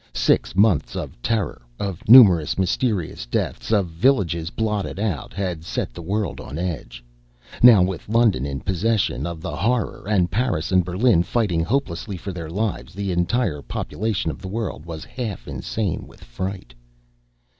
Six months of terror, of numerous mysterious deaths, of villages blotted out, had set the world on edge. Now with London in possession of the Horror and Paris and Berlin fighting hopelessly for their lives, the entire population of the world was half insane with fright.